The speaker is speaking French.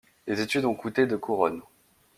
Les études ont coûté de couronnes.